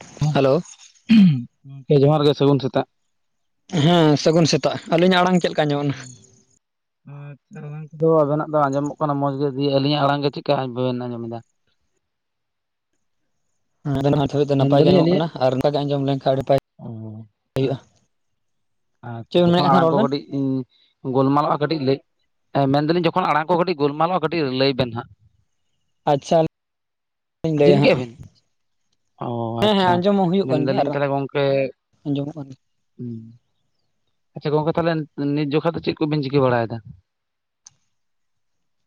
[inaudible] Hello [unintelligible] ᱜᱚᱢᱠᱮ ᱡᱚᱦᱟᱨ ᱜᱮ ᱥᱟᱹᱜᱩᱱ ᱥᱮᱛᱟᱜ ᱦᱮᱸ ᱥᱟᱹᱜᱩᱱ ᱥᱮᱛᱟᱜ ᱟᱹᱞᱤᱧᱟᱜ ᱟᱲᱟᱝ ᱪᱮᱫ ᱞᱮᱠᱟ ᱟᱸᱡᱚᱢᱚᱜ ᱦᱩᱸ ᱠᱟᱱᱟ? [inaudible] ᱟᱨ ᱟᱪᱪᱷᱟ ᱟᱲᱟᱝ ᱠᱚᱫᱚ ᱟᱵᱮᱱᱟᱜ ᱫᱚ ᱟᱸᱡᱚᱢᱚᱜ ᱠᱟᱱᱟ ᱢᱚᱡᱽ ᱜᱮ ᱫᱤᱭᱮ ᱟᱹᱞᱤᱧᱟᱜ ᱟᱲᱟᱝ ᱜᱮ ᱪᱮᱠᱟ ᱵᱟᱵᱮᱱ ᱟᱸᱡᱚᱢᱮᱫᱟ ᱦᱩᱸ [unintelligible] ᱱᱤᱛ ᱦᱟᱹᱵᱤᱡ ᱫᱚ ᱱᱟᱯᱟᱭ ᱜᱮ ᱢᱮᱱᱫᱟᱞᱤᱧ ᱟᱸᱡᱚᱢᱚᱜ ᱟᱹᱞᱤᱧᱟᱜ ᱠᱟᱱᱟ ᱟᱨ ᱱᱚᱝᱠᱟᱜᱮ ᱟᱸᱡᱚᱢ ᱞᱮᱱᱠᱷᱟᱱ [unintelligible] ᱱᱟᱯᱟᱭ ᱚ [inaudible] ᱦᱩᱭᱩᱜᱼᱟ [inaudible] ᱟᱨ ᱪᱮᱫ ᱵᱮᱱ ᱢᱮᱱᱮᱫ ᱛᱚᱯᱟᱜ ᱠᱟᱱ ᱛᱟᱦᱮᱱᱟ ᱟᱲᱟᱝ ᱨᱚᱲ ᱠᱚ ᱵᱮᱱ ᱠᱟᱹᱴᱤᱡ ᱤᱧ ᱜᱳᱚᱞᱢᱟᱞᱚᱜᱼᱟ ᱠᱟᱹᱴᱤᱡ ᱞᱟᱹᱭ [unintelligible] ᱢᱮᱱᱫᱟᱞᱤᱧ ᱡᱚᱠᱷᱚᱱ ᱟᱲᱟᱝ ᱠᱚ ᱠᱟᱹᱴᱤᱡ ᱜᱚᱞᱢᱟᱞᱚᱜᱼᱟ ᱠᱟᱹᱴᱤᱡ ᱞᱟᱹᱭ ᱵᱮᱱ ᱦᱟᱸᱜ ᱟᱪᱪᱷᱟ ᱞᱟᱹᱭᱟ ᱟᱸᱡᱚᱢ ᱠᱮᱜᱼᱟ ᱦᱟᱸᱜ ᱵᱮᱱ? ᱚ ᱦᱮᱸ ᱦᱮᱸ ᱟᱪᱪᱷᱟ ᱟᱸᱡᱚᱢ ᱦᱚᱸ ᱦᱩᱭᱩᱜ ᱠᱟᱱ ᱜᱮᱭᱟ ᱟᱨ ᱢᱮᱱᱫᱟᱞᱤᱧ [inaudible] ᱟᱸᱡᱚᱢᱚᱜ ᱠᱟᱱᱜᱮᱭᱟ ᱦᱩᱸ ᱟᱪᱪᱷᱟ ᱜᱚᱢᱠᱮ ᱛᱟᱦᱞᱮ ᱱᱤᱛ ᱡᱚᱠᱷᱟ ᱫᱚ ᱪᱮᱫ ᱠᱚᱵᱤᱱ ᱪᱤᱠᱟᱹ ᱵᱟᱲᱟᱭᱮᱫᱟ?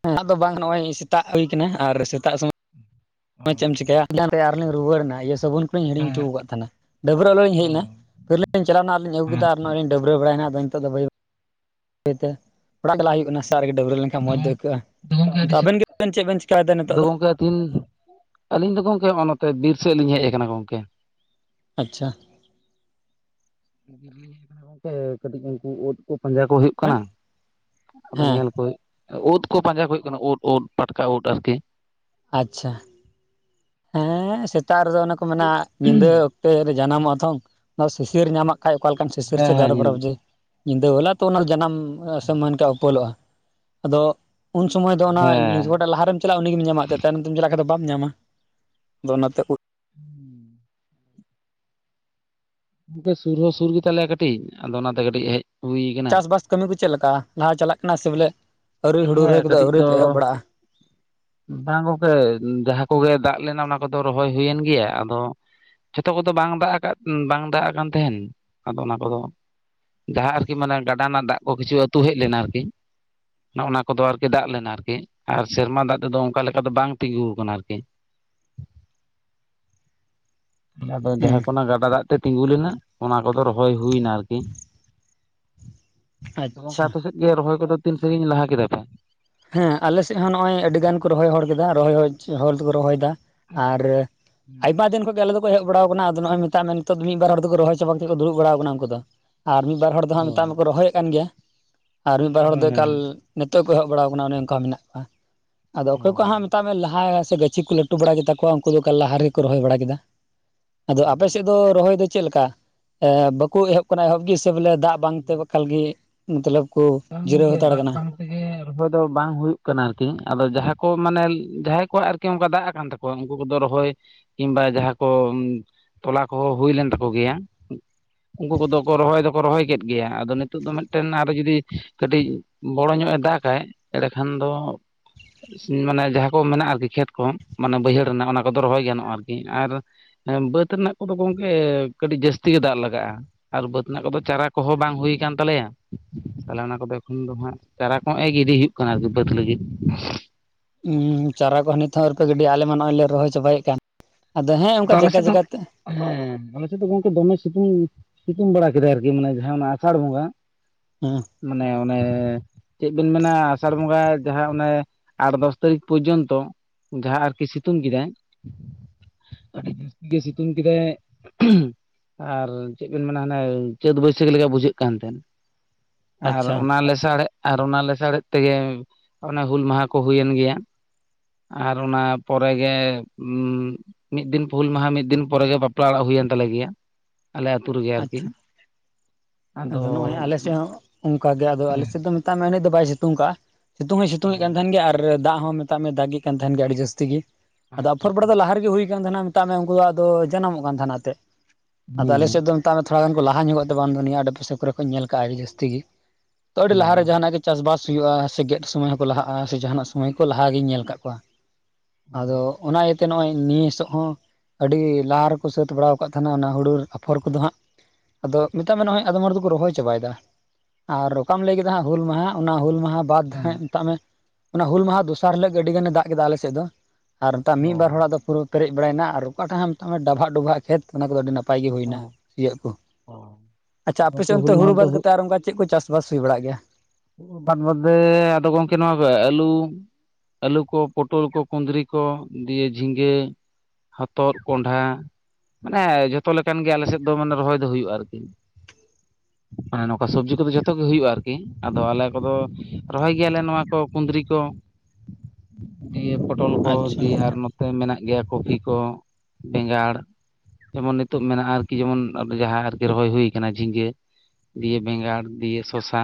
[unintelligible] ᱫᱚ ᱵᱟᱝ ᱱᱚᱜᱼᱚᱸᱭ ᱥᱮᱛᱟᱜ ᱦᱩᱭ ᱠᱟᱱᱟ ᱟᱨ ᱥᱮᱛᱟᱜ [unintelligible] ᱦᱩᱸ ᱦᱳᱭ ᱪᱮᱫ ᱮᱢ ᱪᱤᱠᱟᱹᱭᱟ [unintelligible] ᱟᱨᱞᱤᱧ ᱨᱩᱣᱟᱹᱲᱮᱱᱟ ᱤᱭᱟᱹ ᱥᱟᱵᱚᱱ ᱠᱚᱞᱤᱧ ᱦᱤᱲᱤᱧ ᱴᱩᱣ ᱟᱠᱟᱫ ᱛᱟᱦᱮᱱᱟ ᱰᱟᱹᱵᱨᱟᱹᱜ ᱟᱨᱚᱧ ᱚ ᱦᱮᱡ ᱮᱱᱟ ᱯᱷᱤᱨᱞᱤᱧ ᱪᱟᱞᱟᱣᱮᱱᱟ ᱟᱨᱞᱤᱧ ᱟᱹᱜᱩ ᱠᱮᱫᱟ ᱟᱨ ᱟᱪᱪᱷᱟ ᱱᱚᱜᱼᱚᱸᱭ ᱞᱤᱧ ᱰᱟᱹᱵᱽᱨᱟᱹ ᱵᱟᱲᱟᱭᱮᱱᱟ ᱟᱫᱚ ᱱᱤᱛᱚᱜ ᱫᱚ [unintelligible] [unintelligible] ᱵᱟᱹᱭ ᱛᱮ ᱚᱲᱟᱜ ᱪᱟᱞᱟᱜ ᱦᱩᱭᱩᱜ ᱠᱟᱱᱟ ᱥᱮᱛᱟᱜ ᱨᱮᱜᱮ ᱰᱟᱹᱵᱽᱨᱟᱹ ᱞᱮᱱᱠᱷᱟᱱ ᱢᱚᱡᱽ ᱫᱚ ᱟᱫᱚ ᱟᱹᱭᱠᱟᱹᱜᱼᱟ, ᱜᱚᱝᱠᱮ ᱛᱚ ᱟᱵᱮᱱ ᱜᱮᱵᱮᱱ ᱪᱮᱫ ᱵᱮᱱ ᱪᱮᱠᱟᱭᱮᱫᱟ ᱱᱤᱛᱚᱜ ᱫᱚ? ᱫᱤᱱ ᱟᱹᱞᱤᱧ ᱫᱚ ᱜᱚᱢᱠᱮ ᱦᱚᱜᱼᱚᱸᱭ ᱱᱚᱛᱮ ᱵᱤᱨ ᱥᱮᱫ ᱞᱤᱧ ᱦᱮᱡ ᱟᱠᱟᱱᱟ ᱜᱚᱢᱠᱮ ᱟᱪᱪᱷᱟ [inaudible] ᱜᱚᱢᱠᱮ ᱠᱟᱹᱴᱤᱡ ᱩᱱᱠᱩ ᱩᱫ ᱠᱚ ᱯᱟᱸᱡᱟ ᱠᱚᱯᱮ ᱠᱟᱱᱟ ᱟᱫᱚ ᱦᱮᱸ ᱧᱮᱞ [unintelligible] ᱩᱫ ᱠᱚ ᱯᱟᱸᱡᱟ ᱦᱩᱭᱩᱜ ᱠᱟᱱᱟ ᱩᱫ ᱩᱫ ᱯᱟᱴᱠᱟ ᱩᱫ ᱟᱨᱠᱤ ᱟᱪᱪᱷᱟ ᱦᱮᱸ ᱥᱮᱛᱟᱜ ᱨᱮᱫᱚ ᱚᱱᱮ ᱠᱚ ᱢᱮᱱᱟ ᱧᱤᱫᱟᱹ ᱦᱮᱸ ᱚᱠᱛᱮ ᱨᱮ ᱡᱟᱱᱟᱢᱚᱜᱼᱟ ᱛᱚᱝ ᱚᱱᱟ ᱥᱤᱥᱤᱨ ᱧᱟᱢᱚᱜ ᱟᱡ ᱚᱠᱟ ᱞᱮᱠᱟᱱ ᱥᱤᱥᱤᱨ ᱪᱚ ᱜᱟᱨᱚ ᱵᱚᱨᱚᱭ ᱦᱮᱸ ᱵᱩᱡᱷᱟᱹᱣ ᱧᱤᱫᱟᱹ ᱵᱮᱞᱟ ᱛᱚ ᱚᱱᱟ ᱡᱟᱱᱟᱢ [unintelligible] ᱥᱚᱢᱚᱭ ᱚᱱᱠᱟ ᱩᱯᱚᱞᱚᱜᱼᱟ [inaudible] ᱟᱫᱚ ᱩᱱ ᱥᱚᱢᱚᱭ ᱫᱚ ᱚᱱᱟ ᱦᱮᱸ [unintelligible] ᱞᱟᱦᱟᱨᱮᱢ ᱪᱟᱞᱟᱜᱼᱟ ᱩᱱᱤ ᱜᱮᱢ ᱧᱟᱢᱟ ᱮᱱᱛᱮᱫ ᱛᱟᱭᱱᱚᱢ ᱛᱮᱢ ᱪᱟᱞᱟᱜ ᱠᱷᱟᱱ ᱫᱚ ᱵᱟᱢ ᱧᱟᱢᱟ ᱟᱫᱚ ᱚᱱᱟᱛᱮ ᱩᱫ ᱦᱩᱸ ᱜᱚᱢᱠᱮ ᱥᱩᱨ ᱦᱚᱸ ᱥᱩᱨ ᱜᱮᱛᱟᱞᱮᱭᱟ ᱠᱟᱹᱴᱤᱡ ᱟᱫᱚ ᱚᱱᱟᱛᱮ ᱠᱟᱹᱴᱤᱡ ᱦᱮᱡ ᱦᱩᱭ ᱠᱟᱱᱟ ᱪᱟᱥᱵᱟᱥ ᱠᱟᱹᱢᱤ ᱠᱚ ᱪᱮᱫ ᱞᱮᱠᱟ ᱞᱟᱦᱟ ᱪᱟᱞᱟᱜ ᱠᱟᱱᱟ ᱥᱮ ᱵᱚᱞᱮ ᱟᱹᱣᱨᱤ ᱦᱩᱲᱩ ᱨᱚᱦᱚᱭ ᱦᱮᱸ ᱠᱚᱫᱚ ᱠᱟᱹᱴᱤᱡ ᱟᱹᱣᱨᱤ ᱫᱚ ᱯᱮ ᱮᱦᱚᱵ ᱵᱟᱲᱟᱜᱼᱟ [inaudible] ᱵᱟᱝ ᱜᱚᱢᱠᱮ ᱡᱟᱦᱟᱸ ᱠᱚᱜᱮ ᱫᱟᱜ ᱞᱮᱱᱟ ᱚᱱᱟ ᱠᱚᱫᱚ ᱨᱚᱦᱚᱭ ᱦᱩᱭᱮᱱ ᱜᱮᱭᱟ ᱟᱫᱚ ᱡᱷᱚᱛᱚ ᱠᱚᱫᱚ ᱵᱟᱝ ᱫᱟᱜ ᱠᱟ ᱵᱟᱝ ᱫᱟᱜ ᱠᱟᱱ ᱛᱟᱸᱦᱮᱱ ᱟᱫᱚ ᱚᱱᱟ ᱠᱚᱫᱚ ᱡᱟᱦᱟᱸ ᱟᱨᱠᱤ ᱢᱟᱱᱮ ᱜᱟᱰᱟ ᱨᱮᱱᱟᱜ ᱫᱟᱜ ᱠᱚ ᱠᱤᱪᱷᱩ ᱟᱹᱛᱩ ᱦᱮᱡ ᱞᱮᱱᱟ ᱟᱨᱠᱤ ᱱᱚᱜ ᱱᱚᱣᱟ ᱠᱚᱫᱚ ᱟᱨᱠᱤ ᱫᱟᱜ ᱞᱮᱱᱟ ᱟᱨᱠᱤ ᱟᱨ ᱥᱮᱨᱢᱟ ᱫᱟᱜ ᱛᱮᱫᱚ ᱚᱱᱠᱟ ᱞᱮᱠᱟ ᱫᱚ ᱵᱟᱝ ᱛᱤᱸᱜᱩ ᱟᱠᱟᱱᱟ ᱟᱨᱠᱤ ᱟᱫᱚ ᱦᱩᱸ ᱡᱟᱦᱟᱸ ᱠᱚ ᱜᱟᱰᱟ ᱫᱟᱜ ᱛᱮ ᱛᱤᱸᱜᱩ ᱞᱮᱱᱟ ᱚᱱᱟ ᱠᱚᱫᱚ ᱨᱚᱦᱚᱭ ᱦᱩᱭ ᱱᱟ ᱟᱨᱠᱤ [inaudible] ᱜᱚᱢᱠᱮ ᱟᱪᱪᱷᱟ ᱟᱯᱮ ᱥᱮᱫ ᱜᱮ ᱨᱚᱦᱚᱭ ᱠᱚᱫᱚ ᱛᱤᱱ ᱥᱟᱺᱜᱤᱧ ᱞᱟᱦᱟ ᱠᱮᱫᱟ ᱯᱮ ᱦᱮᱸ ᱟᱞᱮ ᱥᱮᱫ ᱦᱚᱸ ᱱᱚᱜᱼᱚᱸᱭ ᱟᱹᱰᱤ ᱜᱟᱱ ᱠᱚ ᱨᱚᱦᱚᱭ [unintelligible] ᱠᱮᱫᱟ ᱨᱚᱦᱚᱭ ᱦᱚᱲ ᱫᱚᱠᱚ ᱨᱚᱦᱚᱭᱮᱫᱟ ᱟᱨ ᱟᱭᱢᱟ ᱫᱤᱱ ᱠᱷᱚᱡ ᱜᱮ ᱟᱞᱮ [unintelligible] [unintelligible] ᱦᱮᱡ ᱵᱟᱲᱟᱣ ᱠᱟᱱᱟ ᱟᱫᱚ ᱱᱚᱜᱼᱚᱸᱭ ᱢᱮᱛᱟᱜ ᱢᱮ ᱱᱤᱛᱚᱜ ᱢᱤᱫ ᱵᱟᱨ ᱦᱚᱲ ᱫᱚᱠᱚ ᱨᱚᱦᱚᱭ ᱪᱟᱵᱟ ᱠᱟᱛᱮ ᱫᱩᱲᱩᱵ ᱵᱟᱲᱟ ᱟᱠᱟᱱᱟ ᱩᱱᱠᱩ ᱫᱚ ᱟᱨ ᱢᱤᱫ ᱵᱟᱨ ᱦᱚᱲ ᱫᱚ ᱦᱟᱸᱜ [unintelligible] ᱚ ᱢᱟᱠᱚ ᱨᱚᱦᱚᱭᱮᱫ ᱠᱟᱱ ᱜᱮᱭᱟ ᱟᱨ ᱢᱤᱫ ᱵᱟᱨ ᱦᱚᱲ ᱦᱮᱸ ᱫᱚ ᱮᱠᱟᱞ ᱦᱮᱸ ᱱᱤᱛᱚᱜ ᱠᱚ ᱮᱦᱚᱵ ᱵᱟᱲᱟ ᱟᱠᱟᱱᱟ ᱚᱱᱮ ᱚᱱᱠᱟ ᱢᱮᱱᱟᱜ ᱠᱚᱣᱟ ᱟᱫᱚ ᱚᱠᱚᱭ ᱠᱚ ᱚ ᱦᱟᱸᱜ ᱢᱮᱛᱟᱜ ᱢᱮ ᱞᱟᱦᱟ ᱥᱮᱜᱮᱡ ᱪᱮᱫ ᱠᱚ ᱞᱟᱹᱴᱩ ᱵᱟᱲᱟ ᱠᱮᱫᱟ ᱠᱚᱣᱟ ᱩᱱᱠᱩ ᱫᱚ ᱠᱟᱞ ᱞᱟᱦᱟ ᱨᱮᱠᱚ ᱨᱚᱦᱚᱭ ᱵᱟᱲᱟ ᱠᱮᱫᱟ ᱟᱫᱚ ᱟᱯᱮ ᱥᱮᱫ ᱫᱚ ᱨᱚᱦᱚᱭ ᱫᱚ ᱪᱮᱫ ᱞᱮᱠᱟ ᱵᱟᱠᱚ ᱮᱦᱚᱵ ᱠᱟᱱᱟ ᱮᱦᱚᱵ ᱜᱤᱥ ᱵᱚᱞᱮ ᱫᱟᱜ ᱵᱟᱝᱛᱮ ᱮᱠᱟᱞ ᱜᱮ ᱢᱚᱛᱞᱚᱵ ᱠᱚ ᱵᱟᱝ ᱡᱤᱨᱟᱹᱣ ᱜᱚᱝᱠᱮ ᱦᱟᱛᱟᱲ ᱫᱟᱜ ᱠᱟᱱᱟ ᱵᱟᱝ ᱛᱮᱜᱮ ᱨᱚᱦᱚᱭ ᱫᱚ ᱵᱟᱝ ᱦᱩᱭᱩᱜ ᱠᱟᱱᱟ ᱟᱨᱠᱤ ᱟᱫᱚ ᱡᱟᱦᱟᱸᱭ ᱠᱚ ᱢᱟᱱᱮ ᱡᱟᱦᱟᱸᱭ ᱠᱚᱣᱟᱜ ᱟᱨᱠᱤ ᱚᱱᱠᱟ ᱫᱟᱜ ᱠᱟᱱ ᱛᱟᱠᱚᱣᱟ ᱩᱱᱠᱩ ᱠᱚᱫᱚ ᱨᱚᱦᱚᱭ ᱠᱤᱝᱵᱟ ᱡᱟᱦᱟᱸ ᱠᱚ ᱛᱚᱞᱟ ᱠᱚᱦᱚᱸ ᱦᱩᱭ ᱞᱮᱱ ᱛᱟᱠᱚ ᱜᱮᱭᱟ ᱩᱱᱠᱩ ᱠᱚᱫᱚ ᱠᱚ ᱨᱚᱦᱚᱭ ᱫᱚᱠᱚ ᱨᱚᱦᱚᱭ ᱠᱮᱫ ᱜᱮᱭᱟ ᱟᱫᱚ ᱱᱤᱛᱚᱜ ᱫᱚ ᱢᱤᱫᱴᱮᱱ ᱟᱨᱚ ᱡᱩᱫᱤ ᱠᱟᱹᱴᱤᱡ ᱵᱚᱲᱚ ᱧᱚᱜ ᱮ ᱫᱟᱜᱟᱭ ᱮᱰᱮᱠᱷᱟᱱ ᱫᱚ ᱢᱟᱱᱮ ᱡᱟᱦᱟᱸ ᱠᱚ ᱢᱮᱱᱟᱜ-ᱟ ᱟᱨᱠᱤ ᱠᱷᱮᱛ ᱠᱚᱦᱚᱸ ᱢᱟᱱᱮ ᱵᱟᱹᱭᱦᱟᱹᱲ ᱨᱮᱱᱟᱜ ᱚᱱᱟ ᱠᱚᱫᱚ ᱨᱚᱦᱚᱭ ᱜᱟᱱᱚᱜ-ᱟ ᱟᱨᱠᱤ ᱟᱨ ᱦᱮᱸ ᱵᱟᱹᱫ ᱨᱮᱱᱟᱜ ᱠᱚᱫᱚ ᱜᱚᱢᱠᱮ ᱠᱟᱹᱴᱤᱡ ᱡᱟᱹᱥᱛᱤ ᱜᱮ ᱫᱟᱜ ᱞᱟᱜᱟᱜ-ᱟ ᱟᱨ ᱵᱟᱹᱫ ᱨᱮᱱᱟᱜ ᱠᱚᱫᱚ ᱪᱟᱨᱟ ᱠᱚᱦᱚᱸ ᱵᱟᱝ ᱦᱩᱭ ᱠᱟᱱ ᱛᱟᱞᱮᱭᱟ ᱛᱟᱦᱚᱞᱮ ᱚᱱᱟ ᱠᱚᱫᱚ ᱮᱠᱷᱚᱱ ᱫᱚ ᱦᱟᱸᱜ ᱪᱟᱨᱟ ᱠᱚᱸᱦᱚ ᱤᱫᱤ ᱦᱩᱭᱩᱜ ᱠᱟᱱᱟ ᱟᱨᱠᱤ ᱵᱟᱹᱫ ᱞᱟᱹᱜᱤᱫ ᱦᱩᱸ ᱪᱟᱨᱟ ᱠᱚᱦᱚᱸ ᱱᱤᱛ ᱦᱚᱸ ᱟᱹᱣᱨᱤ ᱯᱮ ᱜᱤᱰᱤᱭᱟ ᱟᱞᱮ ᱢᱟ ᱱᱚᱜ-ᱚᱭ ᱞᱮ ᱨᱚᱦᱚᱭ ᱪᱟᱵᱟᱭᱮ ᱠᱟᱱ ᱟᱫᱚ ᱦᱮᱸ ᱚᱱᱠᱟ ᱟᱞᱮ ᱡᱟᱭᱜᱟ ᱥᱮᱫ ᱫᱚ ᱡᱟᱭᱜᱟ ᱛᱮ ᱦᱮᱸ ᱟᱞᱮ ᱥᱮᱫ ᱫᱚ ᱜᱚᱢᱠᱮ ᱫᱚᱢᱮ ᱥᱤᱛᱩᱝ ᱥᱤᱛᱩᱝ ᱵᱟᱲᱟ ᱠᱮᱫᱟᱭ ᱟᱨᱠᱤ ᱢᱟᱱᱮ ᱡᱟᱦᱟᱸ ᱟᱥᱟᱲ ᱵᱚᱸᱜᱟ ᱦᱮᱸ ᱢᱟᱱᱮ ᱚᱱᱮ ᱪᱮᱫ ᱵᱮᱱ ᱢᱮᱱᱟ ᱟᱥᱟᱲ ᱵᱚᱸᱜᱟ ᱡᱟᱦᱟᱸ ᱚᱱᱮ ᱟᱴ ᱫᱚᱥ ᱛᱟᱹᱨᱤᱠᱷ ᱯᱚᱨᱡᱚᱱᱛᱚ ᱡᱟᱦᱟᱸ ᱟᱨᱠᱤ ᱥᱤᱛᱩᱝ ᱠᱮᱫᱟᱭ ᱟᱹᱰᱤ ᱡᱟᱹᱥᱛᱤ ᱜᱮ ᱥᱤᱛᱩᱝ ᱠᱮᱫᱟᱭ ᱩᱦᱩᱸ ᱟᱨ ᱪᱮᱫ ᱵᱤᱱ ᱢᱮᱱᱟ ᱦᱟᱱᱮ ᱪᱟᱹᱛ ᱵᱟᱹᱭᱥᱟᱹᱠ ᱞᱮᱠᱟ ᱵᱩᱡᱷᱟᱹᱜ ᱠᱟᱱ ᱛᱟᱦᱮᱸᱱ ᱟᱨ ᱟᱪᱪᱷᱟ ᱚᱱᱟ ᱞᱮᱥᱟᱲᱮᱫ ᱟᱨ ᱚᱱᱟ ᱞᱮᱥᱟᱲᱮᱫ ᱛᱮᱜᱮ ᱚᱱᱮ ᱦᱩᱞ ᱢᱟᱦᱟ ᱠᱚ ᱦᱩᱭᱮᱱ ᱜᱮᱭᱟ ᱟᱨ ᱚᱱᱟ ᱯᱚᱨᱮ ᱜᱮ ᱦᱩᱸ ᱢᱤᱫ ᱫᱤᱱ ᱦᱩᱞ ᱢᱟᱦᱟ ᱢᱤᱫ ᱫᱤᱱ ᱯᱚᱨᱮ ᱜᱮ ᱵᱟᱯᱞᱟ ᱚᱲᱟᱜ ᱦᱩᱭᱮᱱ ᱛᱟᱞᱮ ᱜᱮᱭᱟ ᱟᱞᱮ ᱟᱹᱛᱩ ᱨᱮᱜᱮ ᱟᱨᱠᱤ ᱟᱪᱪᱷᱟ ᱟᱫᱚ ᱱᱚᱜ-ᱚᱭ ᱟᱞᱮ ᱥᱮᱫ ᱦᱚᱸ ᱚᱱᱠᱟ ᱜᱮ ᱟᱫᱚ ᱟᱞᱮ ᱦᱮᱸ ᱥᱮᱫ ᱫᱚ ᱢᱮᱛᱟᱜ ᱢᱮ ᱩᱱᱟᱹᱜ ᱫᱚ ᱵᱟᱭ ᱥᱤᱛᱩᱝ ᱠᱟᱜᱼᱟ ᱥᱤᱛᱩᱝ ᱦᱚᱸᱭ ᱥᱤᱛᱩᱝ ᱮᱫ ᱠᱟᱱ ᱛᱟᱦᱮᱱ ᱜᱮᱭᱟ ᱟᱨ ᱫᱟᱜ ᱦᱚᱸ ᱢᱮᱛᱟᱜ ᱢᱮ ᱫᱟᱜᱤ ᱛᱟᱦᱮᱱ ᱜᱮᱭᱟ ᱟᱹᱰᱤ ᱡᱟᱹᱥᱛᱤ ᱜᱤ ᱟᱫᱚ ᱟᱪᱪᱷᱟ ᱟᱯᱷᱚᱨ ᱵᱟᱲᱟ ᱦᱮᱸ ᱫᱚ ᱞᱟᱦᱟ ᱨᱮᱜᱮ ᱦᱩᱭ ᱠᱟᱱ ᱛᱟᱦᱮᱱᱟ ᱢᱮᱛᱟᱜ ᱢᱮ ᱩᱱᱠᱩ ᱫᱚ ᱟᱫᱚ ᱡᱟᱱᱟᱢᱚᱜ ᱠᱟᱱ ᱛᱟᱦᱮᱱ ᱟᱛᱮᱫ ᱟᱫᱚ ᱟᱞᱮ ᱥᱮᱫ ᱫᱚ ᱛᱷᱚᱲᱟ ᱜᱟᱱ ᱠᱚ ᱞᱟᱦᱟ ᱧᱚᱜᱚᱜ ᱛᱮ ᱫᱚ ᱵᱟᱝ ᱫᱚ ᱱᱤᱭᱟᱹ ᱟᱰᱮ ᱯᱟᱥᱮ ᱠᱚᱨᱮ ᱧᱮᱞ ᱠᱟᱜ-ᱟ ᱟᱹᱰᱤ ᱡᱟᱹᱥᱛᱤ ᱜᱮ ᱟᱹᱰᱤ ᱞᱟᱦᱟᱨᱮ ᱡᱟᱦᱟᱱᱟᱜ ᱜᱮ ᱪᱟᱥ ᱵᱟᱥ ᱦᱩᱭᱩᱜ-ᱟ ᱥᱮ ᱜᱮᱫ ᱥᱚᱢᱚᱭ ᱦᱚᱸᱠᱚ ᱞᱟᱦᱟᱜ-ᱟ ᱥᱮ ᱡᱟᱦᱟᱱᱟᱜ ᱥᱚᱢᱚᱭ ᱠᱚ ᱞᱟᱦᱟᱜᱤᱧ ᱧᱮᱞ ᱠᱟᱜ ᱠᱚᱣᱟ ᱟᱫᱚ ᱚᱱᱟ ᱛᱮ ᱱᱚᱜ-ᱚᱭ ᱱᱤᱥ ᱦᱚᱸ ᱟᱹᱰᱤ ᱞᱟᱦᱟ ᱨᱮᱠᱚ ᱥᱟᱹᱛ ᱵᱟᱲᱟᱣ ᱠᱟᱫ ᱛᱟᱸᱦᱮᱱᱟ ᱚᱱᱟ ᱦᱳᱲᱳ ᱟᱯᱷᱚᱨ ᱠᱚᱫᱚ ᱦᱟᱸᱜ ᱟᱫᱚ ᱢᱮᱛᱟᱜ ᱢᱮ ᱱᱚᱜᱚᱭ ᱟᱫᱚᱢ ᱦᱚᱲ ᱫᱚᱠᱚ ᱨᱚᱦᱚᱭ ᱪᱟᱵᱟᱭ ᱫᱟ ᱟᱨ ᱚᱠᱟᱢ ᱞᱟᱹᱭ ᱠᱮᱫᱟ ᱦᱟᱸᱜ ᱦᱩᱞ ᱢᱟᱦᱟ ᱚᱱᱟ ᱦᱩᱞ ᱢᱟᱦᱟ ᱵᱟᱫ ᱦᱮᱸ ᱢᱮᱛᱟᱜ ᱢᱮ ᱚᱱᱟ ᱦᱩᱞ ᱢᱟᱦᱟ ᱫᱚᱥᱟᱨ ᱦᱤᱞᱚᱜ ᱜᱮ ᱟᱹᱰᱤ ᱜᱟᱱᱮ ᱫᱟᱜ ᱠᱮᱫᱟ ᱟᱞᱮ ᱥᱮᱫ ᱫᱚ ᱟᱨ ᱮᱴᱟᱜ ᱢᱤᱫ ᱵᱟᱨ ᱚ ᱦᱚᱲᱟᱜ ᱫᱚ ᱯᱩᱨᱟᱹ ᱯᱮᱨᱮᱡ ᱵᱟᱲᱟᱭ ᱱᱟ ᱟᱨ ᱚᱠᱟᱴᱟᱜ ᱦᱚᱸ ᱢᱮᱛᱟᱜ ᱢᱮ ᱰᱟᱵᱷᱟᱜ ᱰᱳᱵᱷᱟᱜ ᱠᱷᱮᱛ ᱚᱱᱟ ᱠᱚᱫᱚ ᱟᱹᱰᱤ ᱱᱟᱯᱟᱭ ᱜᱮ ᱦᱩᱭ ᱦᱮᱸ ᱱᱟ ᱤᱭᱟᱹ ᱠᱚ ᱚ ᱟᱪᱪᱷᱟ ᱟᱯᱮ ᱜᱚᱝᱠᱮ ᱥᱮᱫ ᱚᱱᱛᱮ ᱦᱩᱞ ᱦᱩᱲᱩ ᱢᱟᱦᱟ ᱫᱚ ᱵᱟᱫ ᱠᱟᱛᱮ ᱟᱨ ᱚᱱᱠᱟ ᱪᱮᱫ ᱠᱚ ᱪᱟᱥᱵᱟᱥ ᱦᱩᱭ ᱵᱟᱲᱟᱜ ᱜᱮᱭᱟ ᱵᱟᱫ ᱵᱟᱫᱽᱫᱷᱮ ᱟᱫᱚ ᱜᱚᱢᱠᱮ ᱱᱚᱣᱟ ᱟᱹᱞᱩ ᱟᱹᱞᱩ ᱠᱚ ᱯᱚᱴᱚᱞ ᱠᱚ ᱠᱩᱸᱫᱽᱨᱤ ᱠᱚ ᱫᱤᱭᱮ ᱡᱷᱤᱸᱜᱟᱹ ᱦᱚᱛᱚᱫ ᱠᱚᱸᱰᱷᱟ ᱢᱟᱱᱮ ᱡᱚᱛᱚ ᱞᱮᱠᱟᱱ ᱜᱮ ᱟᱞᱮ ᱥᱮᱫ ᱫᱚ ᱢᱟᱱᱮ ᱨᱚᱦᱚᱭ ᱫᱚ ᱦᱩᱭᱩᱜ-ᱟ ᱟᱨᱠᱤ ᱢᱟᱱᱮ ᱱᱚᱝᱠᱟ ᱥᱚᱵᱽᱡᱤ ᱠᱚᱫᱚ ᱡᱚᱛᱚ ᱜᱮ ᱦᱩᱭᱩᱜᱼᱟ ᱟᱨᱠᱤ ᱟᱫᱚ ᱟᱞᱮ ᱠᱚᱫᱚ ᱨᱚᱦᱚᱭ ᱜᱮᱭᱟᱞᱮ ᱱᱚᱣᱟ ᱠᱚ ᱠᱩᱸᱫᱽᱨᱤ ᱠᱚ ᱫᱤᱭᱮ [inaudible] ᱯᱚᱴᱚᱞ ᱠᱚ ᱟᱪᱪᱷᱟ ᱫᱤᱭᱮ ᱟᱨ ᱱᱚᱛᱮ ᱢᱮᱱᱟᱜ ᱜᱮᱭᱟ ᱠᱚᱯᱷᱤ ᱠᱚ ᱵᱮᱸᱜᱟᱲ ᱡᱮᱢᱚᱱ ᱱᱤᱛᱚᱜ ᱢᱮᱱᱟᱜ-ᱟ ᱟᱨᱠᱤ ᱡᱮᱢᱚᱱ ᱡᱟᱦᱟᱸ ᱟᱨᱠᱤ ᱨᱚᱦᱚᱭ ᱦᱩᱭ ᱠᱟᱱᱟ ᱡᱷᱤᱜᱟᱹ ᱫᱤᱭᱮ ᱵᱮᱸᱜᱟᱲ ᱫᱤᱭᱮ ᱥᱚᱥᱟ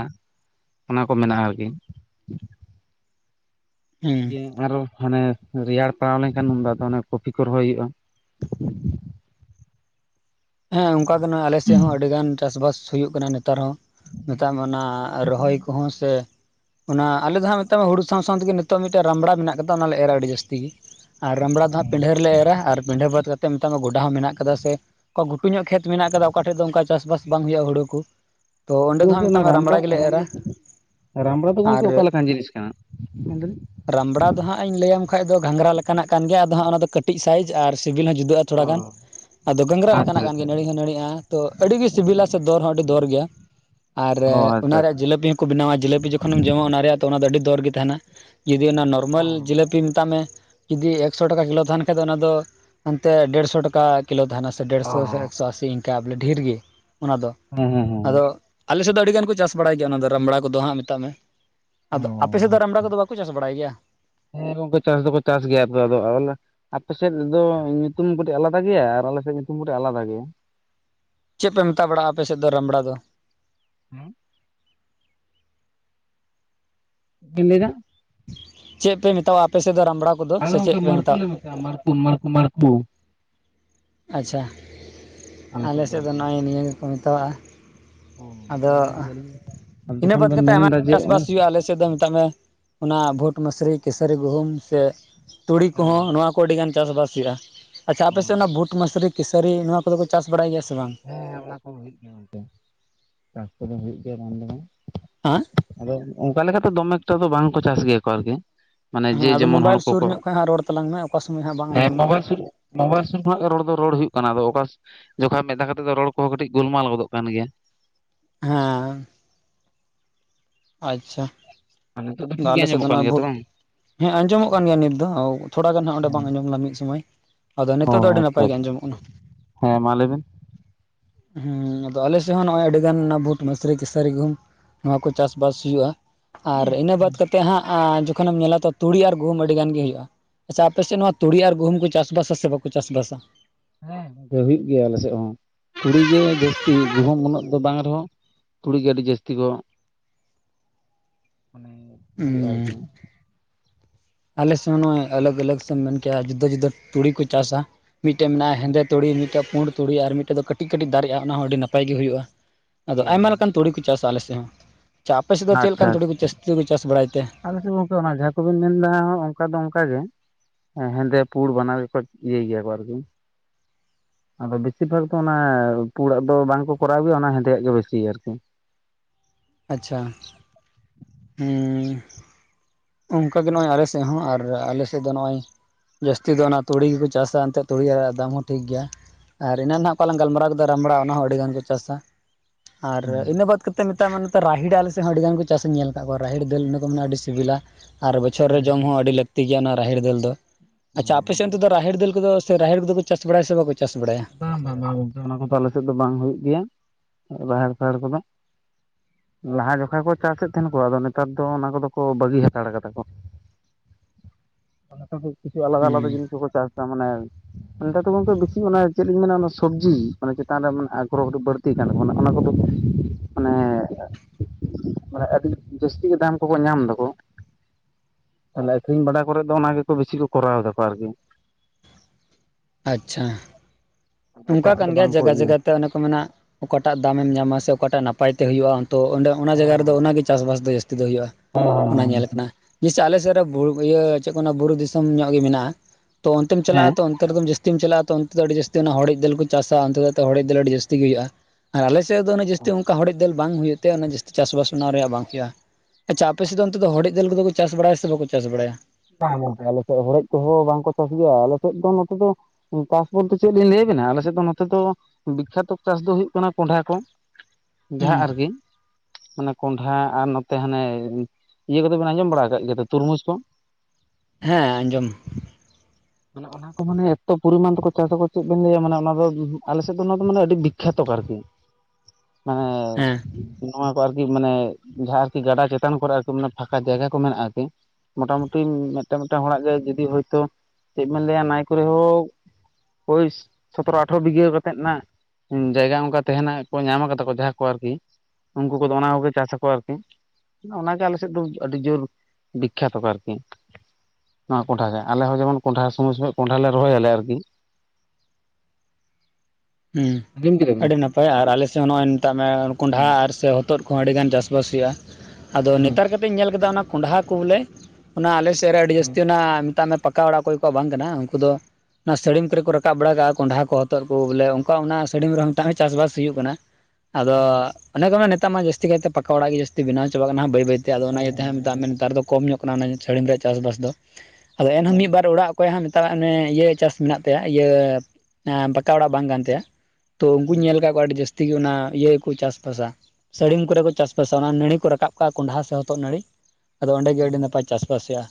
ᱚᱱᱟ ᱠᱚ ᱢᱮᱱᱟᱜ-ᱟ ᱟᱨᱠᱤ ᱦᱮᱸ ᱟᱨᱚ ᱦᱟᱱᱮ ᱨᱮᱭᱟᱲ ᱯᱟᱲᱟᱣ ᱞᱮᱱᱠᱷᱟᱱ ᱩᱱ ᱚᱱᱮ ᱠᱚᱯᱷᱤ ᱠᱚ ᱨᱚᱦᱚᱭ ᱦᱩᱭᱩᱜᱼᱟ ᱦᱮᱸ ᱚᱱᱠᱟ ᱜᱮ ᱱᱟᱜ ᱟᱞᱮᱥᱮᱫ ᱦᱚᱸ ᱟᱹᱰᱤ ᱜᱟᱱ ᱪᱟᱥ ᱵᱟᱥ ᱦᱩᱭᱩᱜ ᱠᱟᱱᱟ ᱱᱮᱛᱟᱨ ᱦᱚᱸ ᱢᱮᱛᱟᱜ ᱢᱮ ᱚᱱᱟ ᱨᱚᱦᱚᱭ ᱠᱚᱦᱚᱸ ᱥᱮ ᱚᱱᱟ ᱟᱞᱮ ᱫᱟᱜ ᱢᱮᱛᱟᱜ ᱢᱮ ᱦᱩᱲᱩ ᱥᱟᱶ ᱥᱟᱶᱛᱮ ᱱᱤᱛᱚᱜ ᱢᱤᱫᱴᱮᱱ ᱨᱟᱢᱲᱟ ᱢᱮᱱᱟᱜ ᱟᱠᱟᱫᱟ ᱚᱱᱟᱞᱮ ᱮᱨᱟ ᱟᱹᱰᱤ ᱡᱟᱹᱥᱛᱤ ᱜᱤ ᱟᱨ ᱨᱟᱢᱲᱟ ᱫᱚ ᱦᱟᱸᱜ ᱯᱤᱰᱷᱟᱹ ᱨᱮᱞᱮ ᱮᱨᱟ ᱟᱨ ᱯᱤᱰᱷᱟᱹ ᱵᱟᱫᱽ ᱠᱟᱛᱮ ᱢᱮᱛᱟᱢᱟ ᱜᱚᱰᱟ ᱦᱚᱸ ᱢᱮᱱᱟᱜ ᱠᱟᱫᱟ ᱥᱮ ᱚᱠᱟ ᱜᱷᱩᱴᱩ ᱧᱚᱜ ᱠᱷᱮᱛ ᱢᱮᱱᱟᱜ ᱠᱟᱫᱟ ᱚᱠᱟ ᱴᱷᱮᱡ ᱫᱚ ᱚᱱᱠᱟ ᱪᱟᱥᱵᱟᱥ ᱵᱟᱝ ᱦᱩᱭᱩᱜᱼᱟ ᱦᱩᱲᱩ ᱠᱚ ᱛᱚ ᱚᱸᱰᱮ ᱫᱚ ᱫᱩᱠ ᱦᱟᱸᱜ ᱢᱮᱛᱟᱜ [inaudible] ᱢᱮ ᱨᱟᱢᱲᱟ ᱜᱮᱞᱮ ᱨᱟᱢᱼᱼ ᱮᱨᱟ ᱨᱟᱢᱲᱟ ᱫᱚ ᱟᱨ ᱜᱚᱝᱠᱮ ᱚᱠᱟ ᱞᱮᱠᱟᱱ ᱡᱤᱱᱤᱥ ᱠᱟᱱᱟ ᱢᱮᱱᱫᱟᱞᱤᱧ ᱨᱟᱢᱲᱟ ᱫᱚ ᱦᱟᱸᱜ ᱤᱧ ᱞᱟᱹᱭᱟᱢ ᱠᱷᱟᱱ ᱫᱚ ᱜᱷᱟᱸᱜᱽᱨᱟ ᱞᱮᱠᱟ ᱱᱟᱜ ᱠᱟᱱ ᱜᱮᱭᱟ ᱟᱫᱚ ᱦᱟᱸᱜ ᱚᱱᱟᱫᱚ ᱠᱟᱹᱴᱤᱡ ᱥᱟᱭᱤᱡᱽ ᱟᱨ ᱥᱤᱵᱤᱞ ᱦᱚᱸ ᱡᱩᱫᱟᱹᱜᱼᱟ ᱚ ᱛᱷᱚᱲᱟ ᱜᱟᱱ ᱟᱫᱚ ᱜᱷᱟᱝᱨᱟ ᱟᱪᱪᱷᱟ ᱞᱮᱠᱟᱱᱟᱜ ᱠᱟᱱ ᱟᱪᱪᱷᱟ ᱜᱮᱭᱟ ᱱᱟᱹᱲᱤ ᱦᱚᱸ ᱱᱟᱹᱲᱤᱜᱼᱟ ᱛᱚ ᱟᱹᱰᱤ ᱜᱮ ᱥᱤᱵᱤᱞᱟ ᱥᱮ ᱫᱚᱨ ᱦᱚᱸ ᱟᱹᱰᱤ ᱫᱚᱨ ᱜᱮᱭᱟ ᱟᱨ ᱚ ᱚᱱᱟ ᱟᱪᱪᱷᱟ ᱟᱪᱪᱷᱟ ᱨᱮᱭᱟᱜ ᱡᱤᱞᱟᱹᱯᱤ ᱦᱚᱸᱠᱚ ᱵᱮᱱᱟᱣᱟ ᱡᱤᱞᱟᱹᱯᱤ ᱡᱚᱠᱷᱚᱱᱮᱢ ᱡᱚᱢᱟ ᱚᱱᱟ ᱨᱮᱭᱟᱜ ᱚᱱᱟ ᱫᱚ ᱟᱹᱰᱤ ᱫᱚᱨ ᱜᱮ ᱛᱟᱦᱮᱱᱟ ᱡᱩᱫᱤ ᱚᱱᱟ ᱚ ᱱᱚᱨᱢᱟᱞ ᱡᱤᱞᱟᱹᱯᱤ ᱢᱮᱛᱟᱜ ᱢᱮ ᱡᱩᱫᱤ ᱮᱠᱥᱚ ᱴᱟᱠᱟ ᱠᱤᱞᱳ ᱛᱟᱦᱮᱱ ᱠᱷᱟᱱ ᱫᱚ ᱚᱱᱟ ᱫᱚ ᱦᱟᱱᱛᱮ ᱰᱮᱲᱥᱚ ᱴᱟᱠᱟ ᱠᱤᱞᱳ ᱛᱟᱦᱮᱱᱟ ᱥᱮ ᱚ ᱰᱮᱲᱥᱚ ᱮᱠᱥᱚ ᱟᱥᱤ ᱤᱱᱠᱟᱹ ᱵᱚᱞᱮ ᱰᱷᱮᱨ ᱜᱮ ᱚᱱᱟ ᱫᱚ ᱦᱮᱸ ᱦᱮᱸ ᱦᱮᱸ ᱟᱫᱚ ᱟᱞᱮ ᱥᱮᱫ ᱫᱚ ᱟᱹᱰᱤ ᱜᱟᱱ ᱠᱚ ᱪᱟᱥ ᱵᱟᱲᱟᱭ ᱜᱮᱭᱟ ᱚᱱᱟ ᱫᱚ ᱨᱟᱢᱲᱟ ᱠᱚᱫᱚ ᱦᱟᱸᱜ ᱢᱮᱛᱟᱜ ᱢᱮ ᱚ ᱟᱫᱚ ᱟᱯᱮ ᱥᱮᱫ ᱫᱚ ᱨᱟᱢᱲᱟ ᱠᱚᱫᱚ ᱵᱟᱠᱚ ᱪᱟᱥ ᱵᱟᱲᱟᱭ ᱜᱮᱭᱟ ᱦᱮᱸ ᱜᱚᱝᱠᱮ ᱪᱟᱥ ᱫᱚᱠᱚ ᱪᱟᱥ ᱜᱮᱭᱟ ᱟᱫᱚ ᱟᱯᱮ ᱥᱮᱫ ᱫᱚ ᱧᱩᱛᱩᱢ ᱠᱟᱹᱴᱤᱡ ᱟᱞᱟᱫᱟ ᱜᱮᱭᱟ ᱟᱨ ᱟᱞᱮ ᱥᱮᱫ ᱧᱩᱛᱩᱢ ᱠᱟᱹᱴᱤᱡ ᱟᱞᱟᱫᱟ ᱜᱮᱭᱟ ᱪᱮᱫ ᱯᱮ ᱢᱮᱛᱟ ᱵᱟᱲᱟᱜᱼᱟ ᱟᱯᱮ ᱥᱮᱫ ᱫᱚ ᱨᱟᱢᱵᱲᱟ ᱫᱚ ᱦᱮᱸ [inaudible] ᱞᱟᱹᱭᱮᱫᱟ ᱪᱮᱫ ᱯᱮ ᱢᱮᱛᱟᱜᱼᱟ ᱟᱯᱮ ᱥᱮᱫ ᱫᱚ ᱨᱟᱢᱵᱽᱲᱟ ᱠᱚᱫᱚ ᱥᱮ ᱪᱮᱫ ᱯᱮ ᱢᱮᱛᱟᱜᱼᱟ ᱠᱟᱢᱟᱨ ᱠᱩ ᱢᱟᱨ ᱠᱩ ᱢᱟᱨ ᱠᱩᱼᱼ [unintelligible] ᱟᱪᱪᱷᱟ ᱟᱞᱮ ᱥᱮᱫ ᱫᱚ ᱱᱚᱜᱼᱚᱭ ᱱᱤᱭᱟᱹ ᱜᱮᱠᱚ ᱢᱮᱛᱟᱣᱟᱜᱼᱟ ᱚ ᱟᱫᱚ ᱚᱱᱟ ᱫᱚ ᱟᱞᱤᱧ [inaudible] ᱤᱱᱟᱹ ᱵᱟᱫ ᱠᱟᱛᱮ ᱟᱭᱢᱟ ᱪᱟᱥᱵᱟᱥ ᱦᱩᱭᱩᱜᱼᱟ ᱟᱞᱮᱼᱼ ᱥᱮᱫ ᱫᱚ ᱢᱮᱛᱟᱜ ᱢᱮ ᱚᱱᱟ ᱵᱷᱩᱴ ᱢᱟᱥᱨᱤ ᱠᱮᱥᱟᱨᱤ ᱜᱩᱦᱩᱢ ᱥᱮ ᱛᱩᱲᱤ ᱠᱚᱦᱚᱸ ᱱᱚᱣᱟ ᱠᱚ ᱟᱹᱰᱤᱜᱟᱱ ᱪᱟᱥᱵᱟᱥ ᱦᱩᱭᱩᱜᱼᱟ ᱟᱪᱪᱷᱟ ᱚ ᱟᱯᱮ ᱥᱮᱫ ᱚᱱᱟ ᱵᱷᱩᱴ ᱢᱟᱥᱨᱤᱼᱼ ᱠᱤᱥᱟᱹᱨᱤ ᱱᱚᱣᱟ ᱠᱚᱫᱚ ᱠᱚ ᱪᱟᱥ ᱵᱟᱲᱟᱭ ᱜᱮᱭᱟ ᱥᱮ ᱵᱟᱝ ᱦᱮᱸ ᱚᱱᱟ ᱠᱚᱦ ᱦᱩᱭᱩᱜ ᱜᱮᱭᱟ ᱜᱚᱝᱠᱮ ᱪᱟᱥ ᱠᱚᱫᱚ ᱦᱩᱭᱩᱜ ᱜᱮᱭᱟ ᱵᱟᱝ ᱫᱚ ᱵᱟᱝ ᱦᱮᱸ ᱟᱫᱚ ᱚᱱᱠᱟ ᱞᱮᱠᱟᱛᱮ ᱫᱚᱢᱮ ᱮᱠᱴᱟ ᱫᱚ ᱵᱟᱝ ᱠᱚ ᱪᱟᱥ ᱜᱮᱭᱟ ᱠᱚ ᱟᱨᱠᱤ ᱢᱟᱱᱮ ᱦᱮᱸ ᱡᱮ ᱟᱫᱚ ᱡᱮᱢᱚᱱ ᱦᱚᱲ ᱢᱳᱵᱟᱭᱤᱞ ᱥᱩᱨ ᱠᱚᱠᱚ ᱧᱚᱜ ᱠᱷᱚᱱ ᱦᱟᱸᱜ ᱨᱚᱲ ᱛᱟᱞᱟᱝ ᱢᱮ ᱚᱠᱟ ᱥᱚᱢᱚᱭ ᱦᱟᱸᱜ ᱵᱟᱝ [inaudible] ᱦᱮᱸ ᱟᱸᱡᱚᱢᱚᱜ ᱠᱟᱱ ᱢᱟᱭᱤᱞ ᱢᱚᱸᱵᱟᱭᱤᱞ ᱥᱩᱨ ᱠᱷᱚᱱᱟᱜ ᱜᱮ ᱨᱚᱲ ᱫᱚ ᱨᱚᱲ ᱦᱩᱭᱩᱜ ᱠᱟᱱᱟ ᱟᱫᱚ ᱚᱠᱟ ᱡᱚᱠᱷᱟᱱ ᱢᱤᱫ ᱫᱷᱟᱣ ᱠᱟᱛᱮᱫ ᱨᱚᱲ ᱠᱚ ᱠᱟᱸᱴᱤᱡ ᱜᱳᱞᱢᱟᱞ ᱜᱚᱫᱚᱜ ᱠᱟᱱ ᱜᱮᱭᱟ ᱦᱮᱸᱼᱼ ᱟᱪᱪᱷᱟ ᱟᱨ ᱱᱤᱛᱚᱜ ᱫᱚ ᱟᱫᱚ ᱴᱷᱤᱠ ᱜᱮ ᱟᱞᱮ ᱥᱮᱫ ᱟᱸᱡᱚᱢᱚᱜ ᱫᱚ ᱠᱟᱱ ᱱᱚᱜᱼᱚᱭ ᱜᱮᱭᱟ ᱛᱚ ᱵᱷᱩᱴ ᱵᱟᱝ ᱦᱮᱸ ᱟᱸᱡᱚᱢᱚᱜ ᱠᱟᱱ ᱜᱮᱭᱟ ᱱᱤᱛ ᱫᱚ ᱛᱷᱚᱲᱟ ᱜᱟᱱ ᱦᱟᱜ ᱚᱸᱰᱮ ᱵᱟᱝ ᱟᱸᱡᱚᱢ ᱞᱮᱱᱟ ᱢᱤᱫ ᱥᱚᱢᱚᱭ ᱟᱫᱚ ᱚ ᱱᱤᱛᱚᱜ ᱫᱚ ᱟᱹᱰᱤ ᱟᱪᱪᱷᱟ ᱱᱟᱯᱟᱭ ᱜᱮ ᱟᱸᱡᱚᱢᱚᱜ ᱠᱟᱱᱟ ᱦᱮᱸ ᱢᱟ ᱞᱟᱹᱭ ᱵᱤᱱ ᱦᱮᱸ ᱟᱫᱚ ᱟᱞᱮᱥᱮᱫ ᱦᱚᱸ ᱱᱚᱜ ᱚᱭ ᱟᱹᱰᱤ ᱜᱟᱱ ᱵᱩᱦᱩᱛ ᱢᱟᱥᱨᱤ ᱠᱮᱥᱟᱨᱤ ᱜᱩᱦᱩᱢ ᱱᱚᱣᱟ ᱠᱚ ᱪᱟᱥ ᱵᱟᱥ ᱦᱩᱭᱩᱜᱼᱟ ᱟᱨ ᱤᱱᱟᱹ ᱵᱟᱫᱽ ᱠᱟᱛᱮᱫ ᱦᱟᱸᱜ ᱡᱚᱠᱷᱚᱱᱮᱢ ᱧᱮᱞᱟ ᱛᱚ ᱛᱩᱲᱤ ᱟᱨ ᱜᱩᱦᱩᱢ ᱟᱹᱰᱤ ᱜᱟᱱ ᱜᱮ ᱦᱩᱭᱩᱜᱼᱟ ᱟᱪᱪᱷᱟ ᱟᱯᱮ ᱥᱮᱫ ᱱᱚᱣᱟ ᱛᱩᱲᱤ ᱟᱨ ᱜᱩᱦᱩᱢ ᱠᱚ ᱪᱟᱥᱟᱵᱟᱥ ᱟᱥᱮ ᱵᱟᱠᱚ ᱪᱟᱥᱵᱟᱥᱟ ᱦᱮᱸ ᱦᱩᱭᱩᱜ ᱜᱮᱭᱟ ᱟᱞᱮ ᱥᱮᱫ ᱦᱚᱸ ᱛᱩᱲᱤ ᱜᱮ ᱡᱟᱹᱥᱛᱤ ᱜᱩᱦᱩᱢ ᱩᱱᱟᱹᱜ ᱫᱚ ᱵᱟᱝ ᱨᱮᱦᱚᱸ ᱛᱩᱲᱤ ᱜᱮ ᱟᱹᱰᱤ ᱡᱟᱹᱥᱛᱤ ᱠᱚ ᱢᱟᱱᱮ ᱦᱩᱭᱩᱜᱼᱟ ᱟᱨᱠᱤ [unintelligible] ᱟᱞᱮᱥᱮᱫ ᱦᱚᱸ ᱱᱚᱜᱼᱚᱭ ᱟᱞᱟᱜᱽ ᱟᱞᱟᱜᱽ ᱥᱮᱢ ᱢᱮᱱ ᱠᱮᱭᱟ ᱡᱩᱫᱟᱹ ᱡᱩᱫᱟᱹ ᱛᱩᱲᱤ ᱠᱚ ᱪᱟᱥᱟ ᱢᱤᱫᱴᱮᱱ ᱢᱮᱱᱟᱜᱼᱟ ᱦᱮᱸᱫᱮ ᱛᱩᱲᱤ ᱢᱤᱫᱴᱟᱝ ᱯᱩᱸᱰ ᱛᱩᱲᱤ ᱟᱨ ᱢᱤᱫᱴᱮᱡ ᱫᱚ ᱠᱟᱹᱴᱤᱡ ᱠᱟᱹᱴᱤᱡ ᱫᱟᱨᱮᱜᱼᱟ ᱚᱱᱟᱦᱚ ᱟᱹᱰᱤ ᱱᱟᱯᱟᱭ ᱜᱮ ᱦᱩᱭᱩᱜᱼᱟ ᱟᱫᱚ ᱚ ᱟᱭᱢᱟ ᱞᱮᱠᱟᱱ ᱛᱩᱲᱤ ᱠᱚ ᱪᱟᱥ ᱟᱮᱥᱮᱫ ᱦᱚᱸ ᱟᱯᱮᱥᱮᱫ ᱫᱚ ᱪᱮᱫ ᱞᱮᱠᱟᱱ ᱛᱩᱲᱤ ᱠᱚ ᱡᱟᱹᱥᱛᱤ ᱛᱮᱠᱚ ᱪᱟᱥ ᱵᱟᱲᱟᱭ ᱛᱮ ᱟᱞᱪᱮᱫ ᱜᱚᱝᱠᱮ ᱚᱱᱟ ᱡᱟᱦᱟᱸ ᱠᱚᱵᱮᱱ ᱢᱮᱱ ᱮᱫᱟ ᱚᱱᱠᱟ ᱫᱚ ᱚᱱᱠᱟ ᱜᱮ ᱦᱮᱸ ᱦᱮᱸᱫᱮ ᱯᱩᱲ ᱵᱟᱱᱟᱨ ᱜᱮᱠᱚ ᱤᱭᱟᱹᱭ ᱜᱮᱭᱟ ᱠᱚ ᱟᱨᱠᱤ ᱟᱫᱚ ᱵᱮᱥᱤᱨ ᱵᱷᱟᱜ ᱫᱚ ᱚᱱᱟ ᱯᱩᱲᱟᱜ ᱫᱚ ᱵᱟᱝᱠᱚ ᱠᱚᱨᱟᱣ ᱜᱮᱭᱟ ᱚᱱᱟ ᱦᱮᱸᱫᱮᱭᱟᱜ ᱜᱮ ᱵᱮᱥᱤ ᱟᱨᱠᱤ ᱟᱪᱪᱷᱟ ᱦᱮ ᱚᱱᱠᱟᱜᱮ ᱱᱚᱜᱚᱭ ᱟᱞᱮ ᱥᱮᱫ ᱦᱚᱸ ᱟᱨ ᱟᱞᱮ ᱥᱮᱫ ᱫᱚ ᱱᱚᱜᱼᱚᱭ ᱡᱟᱹᱥᱛᱤ ᱫᱚ ᱚᱱᱟ ᱛᱩᱲᱤ ᱜᱮᱠᱚ ᱪᱟᱥᱟ ᱮᱱᱛᱮᱫ ᱛᱩᱲᱤ ᱨᱮᱭᱟᱜ ᱫᱟᱢ ᱦᱚᱸ ᱴᱷᱤᱠ ᱜᱮᱭᱟ ᱟᱨ ᱮᱱᱟᱱ ᱱᱟᱦᱟᱜ ᱚᱠᱟ ᱞᱟᱝ ᱜᱟᱞᱢᱟᱨᱟᱣ ᱠᱮᱫᱟ ᱨᱟᱢᱲᱟ ᱚᱱᱟ ᱦᱚᱸᱚᱸ ᱟᱹᱰᱤ ᱜᱟᱱ ᱠᱚ ᱪᱟᱥᱟ ᱟᱨ ᱤᱱᱟᱹ ᱵᱟᱫᱽ ᱠᱟᱛᱮᱫ ᱱᱚᱛᱮ ᱢᱮᱛᱟᱜ ᱢᱮ ᱱᱚᱛᱮ ᱨᱟᱦᱮᱲ ᱟᱞᱮᱥᱮᱫ ᱦᱚᱸ ᱟᱹᱰᱤ ᱜᱟᱱ ᱠᱚ ᱪᱟᱥ ᱧᱮᱞ ᱟᱠᱟᱫᱟ ᱨᱟᱦᱮᱲ ᱫᱟᱹᱞ ᱤᱱᱟ ᱠᱚ ᱢᱟᱱᱮ ᱟᱹᱰᱤ ᱥᱤᱵᱤᱞᱟ ᱟᱨ ᱵᱚᱪᱷᱚᱨ ᱨᱮ ᱡᱚᱢ ᱦᱚᱸ ᱟᱹᱰᱤ ᱞᱟᱹᱠᱛᱤ ᱜᱮᱭᱟ ᱚᱱᱟ ᱨᱟᱦᱮᱲ ᱫᱟᱹᱞ ᱫᱚ ᱟᱪᱪᱷᱟ ᱟᱯᱮ ᱥᱮᱱ ᱛᱮᱫᱚ ᱨᱟᱦᱮᱲ ᱫᱟᱹᱞ ᱠᱚᱫᱚ ᱥᱮ ᱨᱟᱦᱮᱲ ᱠᱚᱫᱚ ᱠᱚ ᱪᱟᱥ ᱵᱟᱲᱟᱭᱟ ᱥᱮ ᱵᱟᱠᱚ ᱪᱟᱥ ᱵᱟᱲᱟᱭᱟ ᱵᱟᱝ ᱵᱟᱝ ᱜᱟᱢᱠᱮ ᱚᱱᱟ ᱠᱚᱫᱚ ᱟᱞᱮ ᱥᱮᱫ ᱫᱚ ᱵᱟᱝ ᱦᱩᱭᱩᱜ ᱜᱮᱭᱟ ᱨᱟᱦᱮᱲ ᱯᱟᱦᱮᱲ ᱠᱚᱫᱚ ᱞᱟᱦᱟ ᱡᱚᱠᱟᱡ ᱠᱚ ᱪᱟᱥᱮᱫ ᱛᱟᱦᱮᱸᱱ ᱠᱚ ᱟᱫᱚ ᱱᱮᱛᱟᱨ ᱫᱚ ᱚᱱᱟ ᱠᱚᱫᱚ ᱠᱚ ᱵᱟᱹᱜᱤ ᱦᱟᱛᱟᱲ ᱠᱟᱫᱟ ᱠᱚ ᱚᱱᱟᱠᱟ ᱠᱤᱪᱷᱩ ᱟᱞᱟᱫᱟ ᱦᱮᱸ ᱟᱞᱟᱫᱟ ᱡᱤᱱᱤᱥ ᱠᱚᱠᱚ ᱪᱟᱥ ᱮᱫᱟ ᱢᱟᱱᱮ ᱱᱮᱛᱟᱨ ᱫᱚ ᱜᱚᱢᱠᱮ ᱵᱮᱥᱤ ᱚᱱᱮ ᱪᱮᱫᱤᱧ ᱢᱮᱱᱟ ᱚᱱᱟ ᱥᱚᱵᱽᱡᱤ ᱢᱟᱱᱮ ᱪᱮᱛᱟᱱ ᱨᱮ ᱟᱜᱽᱨᱚᱦᱚ ᱵᱟᱹᱲᱛᱤ ᱟᱠᱟᱱ ᱛᱟᱠᱚᱣᱟ ᱮ ᱚᱱᱟ ᱠᱚᱫᱚ ᱢᱟᱱᱮ ᱢᱟᱱᱮ ᱟᱹᱰᱤ ᱡᱟᱹᱥᱛᱤ ᱜᱮ ᱫᱟᱢ ᱠᱚᱠᱚ ᱧᱟᱢ ᱫᱟᱠᱚ ᱛᱟᱦᱚᱞᱮ ᱟᱠᱷᱨᱤᱧ ᱵᱟᱲᱟ ᱠᱚᱨᱮᱫ ᱫᱚ ᱚᱱᱟ ᱜᱮᱠᱚ ᱵᱮᱥᱤ ᱠᱚ ᱠᱚᱨᱟᱣ ᱫᱟᱠᱚ ᱟᱨᱠᱤ ᱟᱪᱪᱷᱟ ᱚᱱᱠᱟ ᱮᱴᱟᱜ ᱫᱚ ᱠᱟᱱ ᱜᱮᱭᱟ ᱵᱟᱝᱠᱚ ᱡᱟᱭᱜᱟ ᱤᱭᱟᱹ ᱡᱟᱭᱜᱟᱛᱮ ᱚᱱᱮ ᱠᱚ ᱢᱮᱱ ᱚᱠᱟᱴᱟᱜ ᱫᱟᱢᱮᱢ ᱧᱟᱢᱟ ᱥᱮ ᱚᱠᱟᱴᱟᱜ ᱱᱟᱯᱟᱭ ᱛᱮ ᱦᱩᱭᱩᱜᱼᱟ ᱛᱚ ᱚᱱᱰᱮ ᱚᱱᱟ ᱡᱟᱭᱜᱟ ᱨᱮᱫᱚ ᱚᱱᱟᱜᱮ ᱪᱟᱥᱵᱟᱥ ᱫᱚ ᱡᱟᱹᱥᱛᱤ ᱫᱚ ᱦᱩᱭᱩᱜᱼᱟ ᱚᱱᱟ ᱧᱮᱞ ᱟᱠᱟᱱᱟ ᱡᱮᱭᱥᱮ ᱟᱞᱮᱥᱮᱫ ᱨᱮ ᱤᱭᱟᱹ ᱪᱮᱫ ᱠᱚ ᱚᱱᱟ ᱵᱩᱨᱩ ᱫᱤᱥᱚᱢ ᱧᱚᱜ ᱜᱮ ᱢᱮᱱᱟᱜᱼᱟ ᱛᱚ ᱚᱱᱛᱮᱢ ᱦᱮᱸ ᱪᱟᱞᱟᱜᱼᱟ ᱛᱚ ᱚᱢ ᱡᱟᱹᱥᱛᱤᱢ ᱪᱟᱞᱟᱜᱼᱟ ᱚᱱᱛᱮ ᱫᱚ ᱟᱹᱰᱤ ᱡᱟᱥᱛᱤ ᱚᱱᱟ ᱦᱚᱲᱮᱫ ᱫᱟᱹᱞ ᱠᱚ ᱪᱟᱥᱟ ᱚᱱᱛᱮ ᱫᱚ ᱦᱚᱲᱮᱫ ᱫᱟᱹᱞ ᱟᱹᱰᱤ ᱡᱟᱹᱥᱛᱤ ᱜᱮ ᱦᱩᱭᱩᱜᱼᱟ ᱟᱨ ᱟᱞᱮ ᱫᱚ ᱡᱟᱹᱥᱛᱤ ᱚᱱᱠᱟ ᱦᱚᱲᱮᱡ ᱫᱟᱹᱞ ᱵᱟᱝ ᱦᱩᱭᱩᱜ ᱛᱟᱭ ᱡᱟᱹᱥᱛᱤ ᱪᱟᱥᱵᱟᱥ ᱚᱱᱟ ᱨᱮᱭᱟᱜ ᱵᱟᱝ ᱦᱩᱭᱩᱜᱼᱟ ᱟᱪᱪᱷᱟ ᱟᱯᱮᱥᱮᱫ ᱫᱚ ᱚᱱᱛᱮ ᱦᱚᱲᱮᱫ ᱫᱟᱹᱞ ᱠᱚᱫᱚ ᱠᱚ ᱪᱟᱥ ᱵᱟᱲᱟᱭᱟ ᱥᱮ ᱵᱟᱠᱚ ᱪᱟᱥ ᱵᱟᱲᱟᱭᱟ ᱵᱟᱝᱟ ᱜᱚᱢᱠᱮ ᱟᱞᱮᱥᱮᱫ ᱦᱚᱲᱮᱫ ᱠᱚᱦᱚᱸ ᱵᱟᱝᱠᱚ ᱪᱟᱥ ᱜᱮᱭᱟ ᱟᱞᱮ ᱥᱮᱫ ᱫᱚ ᱱᱚᱛᱮ ᱫᱚ ᱪᱟᱥ ᱵᱚᱞᱛᱮ ᱪᱮᱫ ᱞᱤᱧ ᱞᱟᱹᱭᱟᱵᱮᱱᱟ ᱟᱞᱮ ᱥᱮᱫ ᱫᱚ ᱱᱚᱛᱮ ᱫᱚ ᱵᱤᱠᱠᱷᱟᱛᱚ ᱪᱟᱥ ᱫᱚ ᱦᱩᱭᱩᱜ ᱠᱟᱱᱟ ᱠᱚᱸᱰᱷᱟ ᱠᱚ ᱦᱮᱸ ᱡᱟᱦᱟᱸ ᱟᱨᱠᱤ ᱢᱟᱱᱮ ᱠᱚᱸᱰᱷᱟ ᱟᱨ ᱱᱚᱛᱮ ᱦᱟᱱᱮ ᱤᱭᱟᱹ ᱠᱚᱫᱚ ᱵᱮᱱ ᱟᱸᱡᱚᱢ ᱵᱟᱲᱟ ᱟᱠᱟᱫ ᱜᱮᱭᱟ ᱛᱚ ᱛᱩᱨᱢᱩᱡᱽ ᱠᱚ ᱦᱮᱸ ᱟᱸᱡᱚᱢ ᱚᱱᱮ ᱚᱱᱟ ᱢᱟᱱᱮ ᱮᱛᱚ ᱯᱚᱨᱤᱢᱟᱱ ᱛᱮᱠᱚ ᱪᱟᱥᱟᱚ ᱪᱮᱫ ᱵᱮᱱ ᱞᱟᱹᱭᱟ ᱢᱟᱱᱮ ᱚᱱᱟᱫᱚ ᱟᱞᱮᱥᱮᱫ ᱫᱚ ᱚᱱᱟ ᱫᱚ ᱢᱟᱱᱮ ᱟᱹᱰᱤ ᱵᱤᱠᱠᱷᱟᱛᱚ ᱟᱨᱠᱤ ᱢᱟᱱᱮ ᱦᱮᱸ ᱱᱚᱣᱟ ᱠᱚ ᱟᱨᱠᱤ ᱢᱟᱱᱮ ᱡᱟᱦᱟᱸ ᱟᱨᱠᱤ ᱜᱟᱰᱟ ᱪᱮᱛᱟᱱ ᱠᱚᱨᱮ ᱟᱨᱠᱤ ᱢᱟᱱᱮ ᱯᱷᱟᱸᱠᱟ ᱡᱟᱭᱜᱟ ᱠᱚ ᱢᱮᱱᱟᱜᱼᱟ ᱟᱨᱠᱤ ᱢᱚᱴᱟᱢᱩᱴᱤ ᱢᱤᱫᱴᱟᱝ ᱢᱤᱫᱴᱟᱝ ᱦᱚᱲᱟᱜ ᱜᱮ ᱡᱩᱫᱤ ᱦᱚᱭᱛᱳ ᱪᱮᱫ ᱵᱮᱱ ᱞᱟᱹᱭᱟ ᱱᱟᱭ ᱠᱚᱨᱮ ᱦᱚᱸ ᱯᱳᱭ ᱥᱚᱛᱨᱚ ᱟᱴᱷᱨᱚ ᱵᱤᱜᱷᱟᱹ ᱠᱟᱛᱮᱫ ᱱᱟᱜ ᱡᱟᱭᱜᱟ ᱚᱱᱠᱟ ᱛᱟᱦᱮᱱᱟ ᱠᱚ ᱧᱟᱢ ᱠᱟᱫᱟ ᱠᱚ ᱡᱟᱦᱟᱸ ᱠᱚ ᱟᱨᱠᱤ ᱩᱱᱠᱩ ᱠᱚᱫᱚ ᱚᱱᱟ ᱠᱚᱜᱮ ᱪᱟᱥᱟ ᱟᱠᱚ ᱟᱨᱠᱤ ᱚᱱᱟᱜᱮ ᱟᱞᱮᱥᱮᱫ ᱫᱚ ᱟᱹᱰᱤ ᱡᱩᱨ ᱵᱤᱠᱠᱷᱟᱛᱚ ᱠᱚ ᱟᱨᱠᱤ ᱱᱚᱣᱟ ᱠᱚᱸᱰᱷᱟ ᱨᱮ ᱟᱞᱮ ᱦᱚᱸ ᱡᱮᱢᱚᱱ ᱠᱚᱸᱰᱷᱟ ᱥᱚᱢᱚᱭ ᱥᱚᱢᱚᱭ ᱠᱚᱸᱰᱷᱟᱞᱮ ᱨᱚᱦᱭᱟᱮ ᱟᱨᱠᱤ ᱦᱩᱸ ᱟᱹᱰᱤ ᱱᱟᱯᱟᱭ ᱟᱨ ᱟᱞᱮᱥᱮᱫ ᱦᱚᱸ ᱱᱚᱜᱼᱚᱭ ᱢᱮᱛᱟᱜ ᱢᱮ ᱠᱚᱸᱰᱷᱟ ᱟᱨ ᱥᱮ ᱦᱚᱛᱚᱫ ᱠᱚᱦᱚᱸ ᱟᱹᱰᱤᱜᱟᱱ ᱪᱟᱥᱵᱟᱥ ᱦᱩᱭᱩᱜᱼᱟ ᱟᱫᱚ ᱱᱮᱛᱟᱨ ᱜᱮᱯᱮ ᱧᱮᱞ ᱠᱟᱫᱟ ᱚᱱᱟ ᱠᱚᱸᱰᱟ ᱠᱚ ᱵᱚᱞᱮ, ᱚᱱᱟ ᱟᱞᱮ ᱥᱮᱫ ᱨᱮ ᱟᱹᱰᱤ ᱡᱟᱹᱥᱛᱤ ᱚᱱᱟ ᱱᱮᱛᱟᱨ ᱱᱟᱜ ᱯᱟᱠᱟ ᱚᱲᱟᱜ ᱚᱠᱚᱭ ᱠᱚᱣᱟᱜ ᱵᱟᱝ ᱠᱟᱱᱟ ᱩᱱᱠᱩ ᱫᱚ ᱚᱱᱟ ᱥᱟᱹᱲᱤᱢ ᱠᱚᱨᱮ ᱠᱚ ᱨᱟᱠᱟᱵ ᱵᱟᱲᱟ ᱠᱟᱜᱼᱟ ᱠᱚᱸᱰᱦᱟ ᱠᱚ ᱦᱚᱛᱚᱫ ᱨᱮ ᱠᱚ ᱵᱚᱞᱮ, ᱚᱱᱟ ᱥᱟᱹᱲᱤᱢᱨᱚᱝ ᱦᱚᱸ ᱪᱟᱥᱵᱟᱥ ᱦᱩᱭᱩᱜ ᱠᱟᱱᱟ, ᱟᱫᱚ ᱚᱱ ᱠᱚ ᱢᱟ ᱱᱮᱛᱟᱜ ᱡᱟᱥᱛᱤ ᱠᱟᱭᱛᱮ ᱯᱟᱠᱟ ᱚᱲᱟᱜ ᱜᱮ ᱡᱟᱹᱛᱤ ᱵᱮᱱᱟᱣ ᱪᱟᱵ ᱠᱟᱱᱟ ᱵᱟᱹᱭᱛᱮ ᱵᱟ. ᱭᱛᱮ ᱟᱫᱚ ᱤᱭᱟᱹᱛᱮ ᱱᱮᱛᱟᱨ ᱢᱟ ᱠᱚᱢ ᱧᱚᱜ ᱥᱟᱹᱲᱤᱢ ᱨᱮᱭᱟᱜ ᱪᱟᱥᱵᱟᱥ ᱫᱚ ᱟᱫᱚ ᱮᱱᱦᱚᱸ ᱢᱤᱫ ᱵᱟᱨ ᱚᱲᱟᱜ ᱚᱠᱚᱭ ᱦᱚᱸ ᱢᱮᱛᱟᱜᱟᱜ ᱚᱱᱮ ᱤᱭᱟᱹ ᱪᱟᱥ ᱢᱮᱱᱟᱜ ᱛᱟᱭᱟ ᱤᱭᱟᱹ ᱯᱟᱠᱟ ᱚᱲᱟᱜ ᱵᱟᱝ ᱠᱟᱱ ᱛᱟᱭᱟ᱾ ᱛᱚ ᱩᱱᱠᱩᱧ ᱧᱮᱞ ᱟᱠᱟᱫ ᱠᱚᱣᱟ ᱟᱹᱰᱤ ᱡᱟᱹᱥᱛᱤ ᱜᱮ ᱚᱱᱟ ᱤᱭᱟᱹ ᱜᱮᱠᱚ ᱪᱟᱥ ᱵᱟᱟᱥᱟ᱾ ᱥᱟᱹᱲᱤᱢ ᱠᱚᱨᱮ ᱠᱚ ᱪᱟᱥᱵᱟᱥᱟ ᱚᱱᱟ ᱱᱟᱹᱲᱤ ᱠᱚ ᱨᱟᱠᱟᱵ ᱠᱟᱜᱼᱟ ᱠᱚᱸᱰᱷᱟᱟ ᱥᱮ ᱦᱚᱛᱚᱫ ᱱᱟᱹᱲᱤ᱾ ᱟᱫᱚ ᱚᱸᱰᱮ ᱜᱮ ᱟᱹᱰᱤ ᱱᱟᱯᱟᱭ ᱪᱟᱥᱵᱟᱥ ᱦᱩᱭᱩᱜᱼᱟ,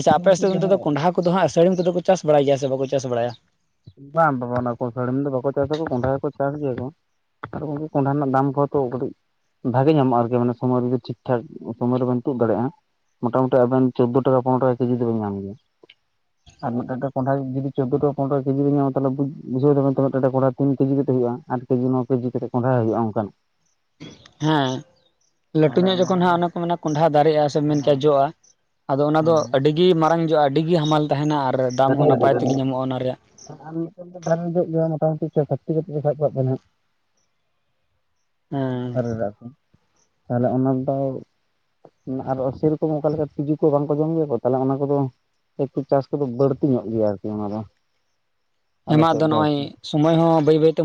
ᱟᱪᱪᱷᱟ ᱟᱯᱮ ᱥᱮᱫ ᱱᱛᱮ ᱫᱚ ᱠᱚᱸᱰᱷᱟ ᱠᱚᱫᱚ ᱦᱟᱸᱜ ᱥᱟᱹᱲᱤᱢ ᱠᱚᱫᱚ ᱠᱚ ᱪᱟᱥ ᱵᱟᱲᱟᱭ ᱜᱮᱭᱟ ᱥᱮ ᱵᱟᱠᱚ ᱪᱟᱥ ᱵᱟᱲᱟᱭᱟ? ᱵᱟᱝ ᱵᱟᱵᱟ ᱚᱱᱟ ᱠᱚ ᱥᱟᱹᱲᱤᱢ ᱫᱚ ᱵᱟᱠᱚ ᱪᱟᱥᱟᱚ ᱠᱚᱸᱰᱷᱟ ᱜᱮᱠᱚ ᱪᱟᱥ ᱜᱮᱭᱟ ᱠᱚ᱾ ᱱᱮᱛᱟᱨ ᱜᱚᱢᱠᱮ ᱠᱚᱸᱰᱷᱟ ᱨᱮᱱᱟᱜ ᱫᱟᱢ ᱠᱚᱦᱚᱸ ᱛᱚ ᱠᱟᱹᱴᱤᱡ ᱵᱷᱟᱜᱮ ᱧᱟᱢᱚᱜᱼᱟ ᱟᱨᱠᱤ ᱢᱟᱱᱮ ᱥᱚᱢᱚᱭ ᱨᱮᱤ ᱴᱷᱤᱠ ᱴᱷᱟᱠ ᱥᱚᱢᱳᱭ ᱨᱮᱵᱮᱱ ᱛᱩᱫ ᱫᱟᱲᱮᱭᱟᱜᱼᱟ᱾ ᱢᱚᱴᱟᱢᱩᱴᱤ ᱟᱵᱮᱱ ᱪᱳᱫ ᱴᱟᱠᱟ ᱯᱚᱱᱮᱨᱚᱟᱠᱟ ᱠᱮᱡᱤ ᱫᱚᱵᱮᱱ ᱧᱟᱢ ᱜᱮᱭᱟ᱾ ᱟᱨ ᱢᱤᱫ ᱢᱤᱫ ᱴᱮᱱ ᱠᱚᱸᱰᱷᱟ ᱡᱩᱫᱤ ᱪᱳᱫᱽᱳᱚ ᱴᱟ ᱯᱚᱱᱨᱚ ᱠᱮᱡᱤ ᱨᱮ ᱧᱟᱢᱟ ᱛᱚᱞᱮ ᱵᱩᱡᱷᱟᱹᱣ ᱛᱵ ᱛᱚᱵ ᱢᱤᱫᱴᱟᱮᱱ ᱠᱚᱰᱦᱟ ᱛᱤᱱ ᱠᱮᱡᱤ ᱠᱟ ᱠᱟᱛᱮ ᱦᱩᱭᱩᱜᱼᱟ ᱟᱴ ᱠᱮᱡᱤ ᱱᱚ ᱠᱮᱡᱤ ᱠᱟ ᱠᱟᱛᱮ ᱠᱚᱸᱦ ᱦᱩᱭᱩᱜ ᱚᱱᱠᱱᱟᱜ᱾ ᱦᱮᱸ ᱞᱟᱹᱴᱩ ᱧᱚᱜ ᱡᱚᱠᱷᱚᱱ ᱦᱟᱸᱜ ᱚᱱᱟ ᱠᱚ ᱢᱮᱱᱟ ᱠᱚᱸᱰᱷᱟ ᱫᱟᱨᱮᱜᱼᱟ ᱥᱮ ᱢᱮᱱ ᱠᱮᱭᱟ ᱡᱚᱜᱼᱟ, ᱟᱫᱚ ᱚᱱᱟ ᱫᱚ ᱟᱹᱰᱤ ᱜᱤ ᱢᱟᱨᱟᱝᱡᱚᱜᱼᱟ ᱟᱹᱰᱤᱜᱮ ᱦᱟᱢᱟᱞ ᱛᱟᱦᱮᱱᱟ, ᱟᱨ [unintelligible] ᱫᱟᱢ ᱦᱚᱸ ᱱᱟᱯᱟᱭ ᱛᱮᱜᱮ ᱧᱟᱢᱚᱜᱼᱟ ᱚᱱᱟ ᱨᱮᱭᱟᱜ ᱟᱨ ᱢᱤᱫᱴᱟᱝ ᱫᱚ ᱫᱮᱢᱚᱜ ᱜᱮᱭᱟ ᱢᱚᱴᱟ ᱢᱩᱴᱤ ᱪᱷᱚ ᱥᱟᱛᱴᱤ ᱠᱚ ᱯᱮ ᱦᱟᱸᱜ᱾ ᱚ ᱦᱮᱸ ᱫᱟᱨᱮ ᱨᱮ ᱟᱨᱠᱤ, ᱛᱟᱦᱚᱞᱮ ᱚᱱᱟ ᱫᱚ ᱟᱨ ᱥᱮᱨᱚᱠᱚᱢ ᱚᱠᱟ ᱞᱮᱠᱟ ᱛᱤᱡᱩ ᱠᱚ ᱵᱟᱝᱠᱚ ᱡᱚᱢ ᱜᱮᱭᱟ ᱠᱚ ᱛᱟᱦᱚᱞᱮ ᱚᱱᱟ ᱠᱚᱫᱚ ᱮᱠᱴᱩ ᱪᱟᱥ ᱠᱚᱫᱚ ᱵᱟᱹᱲ ᱦᱟᱹᱴᱤ ᱧᱚᱜ ᱜᱮᱭᱟ ᱟᱨᱠᱤ ᱢᱟᱱᱮ ᱚᱱᱟ ᱫᱚ ᱱᱚᱜᱼᱚᱭ ᱥᱚᱢᱚᱭ ᱦᱚᱸ ᱵᱟᱹᱭ ᱵᱟᱹᱭᱛᱮ